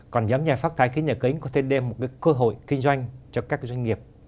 còn giảm nhẹ phát thai nhà kính có thể đem một cơ hội kinh doanh cho các doanh nghiệp